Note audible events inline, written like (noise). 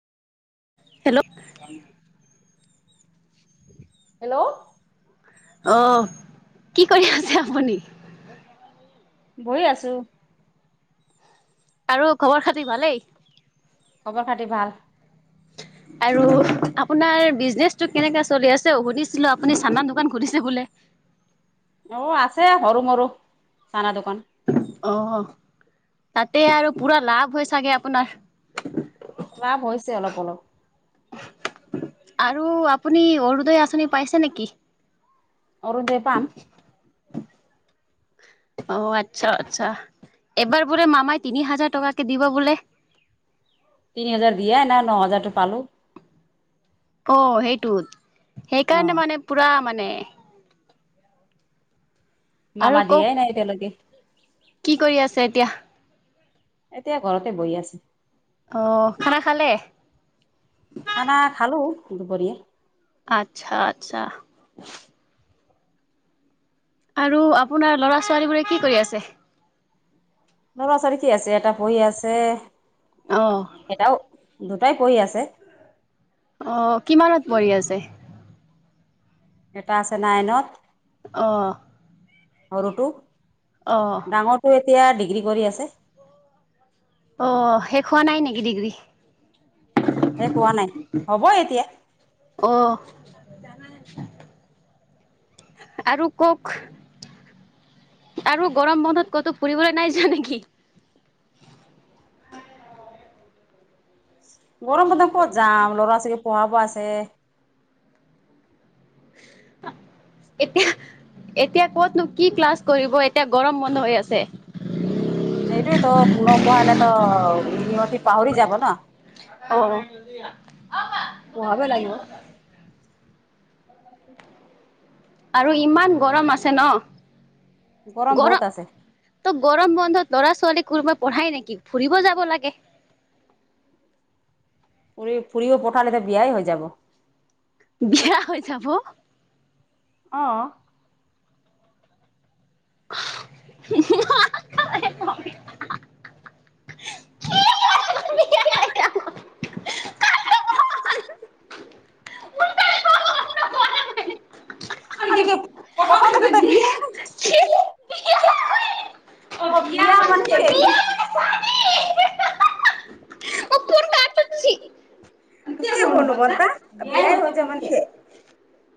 Hello hello অ কি কৰি আছে আপুনি? বহি আছো। আৰু খবৰ খাতি ভালেই? খবৰ খাতি ভাল। (inaudible) আৰু আপোনাৰ বিজনেচটো কেনেকে চলি আছে সুধিছিলো আপুনি চানা দোকান খুলিছে বোলে? (inaudible) অ আছে সৰু মৰু চানা দোকান। অ তাতে আৰু পুৰা লাভ হৈ চাগে আপোনাৰ? লাভ হৈছে অলপ অলপ। আৰু আপুনি অৰুণোদয় আচনি পাইছে নেকি? অৰুদয় পাম। অ আচ্ছা আচ্ছা এবাৰ বোলে মামাই তিনি হাজাৰ টকাকে দিবা বোলে? (inaudible) তিনি হাজাৰ দিয়া নাই, ন হাজাৰতটো পালো। অ সেইটোত অ সেইকাৰণে মানে পুৰা মানে আৰু মমা কওক দিয়াই নাই এতিয়া লৈকে। কি কৰি আছে এতিয়া এতিয়া ঘৰতে বহি আছো। আহ খানা খালে? খানা খালো দুপৰীয়া। আচ্ছা আচ্ছা। আৰু আপোনাৰ ল'ৰা -ছোৱালী বোৰে কি কৰি আছে? ল'ৰা- ছোৱালী কি আছে এটা শুই আছে, অ', এটাও দুটাই পঢ়ি আছে। অ' কিমানত পঢ়ি আছে। এটা আছে নাইনত অহ সৰুটো, ডাঙৰটো এতিয়া ডিগ্ৰী কৰি আছে। অ'শেষ হোৱা নাই নেকি ডিগ্ৰী? শেষ হোৱা নাই হ'ব (unintelligible) এতিয়া অহ (inaudible) আৰু কওঁক? আৰু গৰম বন্ধত ক'তো ফুৰিবলৈ নাই যোৱা নেকি? উম গৰম বন্ধত ক'ত যাম, ল'ৰা-ছোৱালী পঢ়াব আছে। এতিয়া, এতিয়া ক'তনো কি ক্লাছ কৰিব এতিয়া গৰম বন্ধ হৈ আছে। সেইটোৱেতো নপঢ়ালেতো সিহঁতি পাহৰি যাব ন। অ পঢ়াব লাগিব। আৰু ইমান গৰম আছে ন? গৰম বহুত আছে। ত' গৰম বন্ধত ল'ৰা -ছোৱালীক কোনবাই পঢ়াই নেকি? ফুৰিব যাব লাগে। ফুৰি - ফুৰিব পঠালেটো বিয়াই হৈ যাব। বিয়া হৈ যাব অহ (unintelligible) বিয়া হৈ (unintelligible) যাব। প্ৰথম দেখোতে (unintelligible) বিয়া অ বিয়া মানে যে মানছে (unintelligible) বিয়াই হৈ যাব নেকি